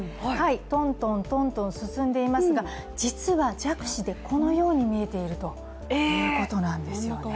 トントントントン進んでいますが、実は弱視でこのように見えているということなんですよね